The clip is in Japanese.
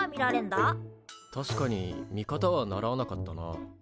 確かに見方は習わなかったな。